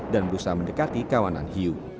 dan berusaha mendekati kawanan hiu